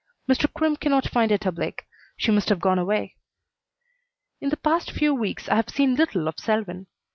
Mr. Crimm cannot find Etta Blake. She must have gone away. In the past few weeks I have seen little of Selwyn.